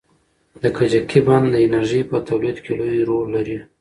د کجکي بند د انرژۍ په تولید کې لوی رول لري.